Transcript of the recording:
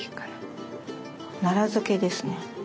奈良漬けですね。